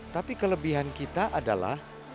tapi kelebihan kita adalah